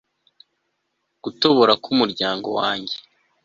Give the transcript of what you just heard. gutobora ku muryango wanjye